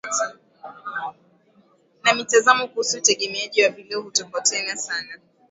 na mitazamo kuhusu utegemeaji kwa vileo hutofautiana sana